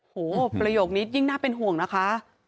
ประโยคนี้ยิ่งน่าเป็นห่วงนะคะ